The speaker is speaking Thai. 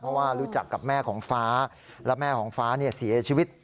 เพราะว่ารู้จักกับแม่ของฟ้าและแม่ของฟ้าเสียชีวิต